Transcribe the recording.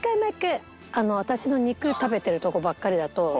私の肉食べてるとこばっかりだと。